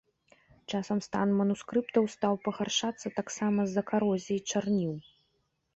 З часам стан манускрыптаў стаў пагаршацца таксама з-за карозіі чарніў.